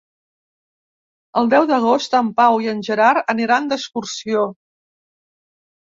El deu d'agost en Pau i en Gerard aniran d'excursió.